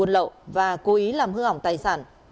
lậu và cố ý làm hư hỏng tài sản